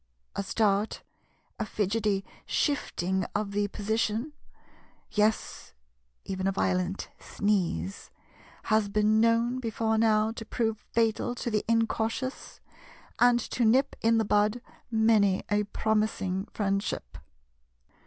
A start, a fidgety shifting of the position, yes, even a violent sneeze, has been known before now to prove fatal to the incautious, and to nip in the bud many a promising friendship.